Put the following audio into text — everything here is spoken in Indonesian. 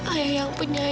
ayah yang punya ayah